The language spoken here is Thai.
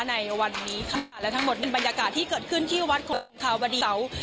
ในวันนี้ค่ะและทั้งหมดเป็นบรรยากาศที่เกิดขึ้นที่วัดคงอุทาบดีเสา